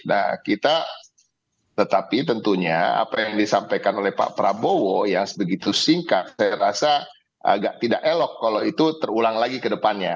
nah kita tetapi tentunya apa yang disampaikan oleh pak prabowo yang sebegitu singkat saya rasa agak tidak elok kalau itu terulang lagi ke depannya